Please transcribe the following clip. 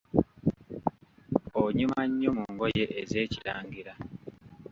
Onyuma nnyo mu ngoye ez’Ekirangira.